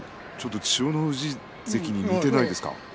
千代の富士関に似ていませんか。